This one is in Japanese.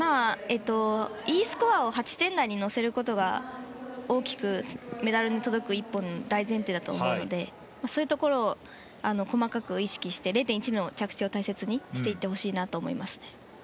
Ｅスコアを８点台に乗せることが大きくメダルに届く大前提になると思うのでそういうところを細かく意識して０．１の着地を大切にしていってほしいなと思います。